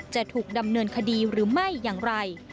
จะถูกดำเนินคดีหรือไม่อย่างไร